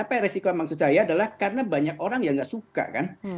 tapi resiko maksud saya adalah karena banyak orang yang nggak suka kan